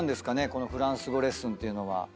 このフランス語レッスンっていうのは。